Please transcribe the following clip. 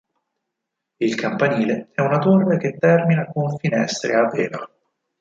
Il campanile è una torre che termina con finestre a vela.